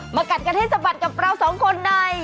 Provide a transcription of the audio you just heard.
กัดกันให้สะบัดกับเราสองคนใน